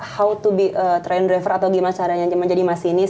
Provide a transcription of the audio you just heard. how to be a train driver atau gimana caranya jadi masinis